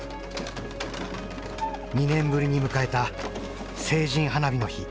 ２年ぶりに迎えた成人花火の日。